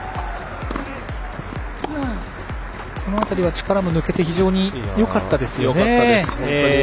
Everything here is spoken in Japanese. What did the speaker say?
この辺りは、力も抜けて非常によかったですよね。